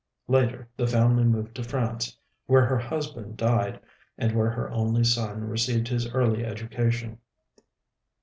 Later the family moved to France, where her husband died and where her only son received his early education.